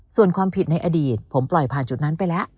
ส่วนความผิดในอดีตผมปล่อยผ่านจุดนั้นไปแล้ว